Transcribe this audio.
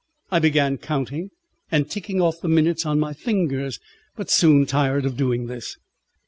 I began counting and ticking off the minutes on my fingers, but soon tired of doing this.